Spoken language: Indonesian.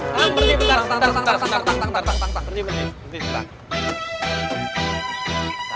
tang berdiri bentar bentar bentar